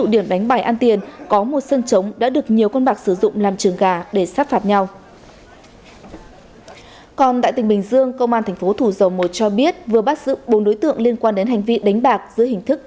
bảy đối tượng khác có liên quan đến hành vi đánh bài